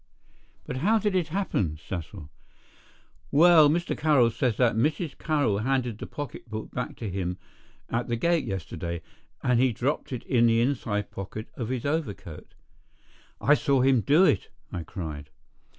"But how did it happen, Cecil?" "Well, Mr. Carroll says that Mrs. Carroll handed the pocketbook back to him at the gate yesterday, and he dropped it in the inside pocket of his over coat—" "I saw him do it," I cried.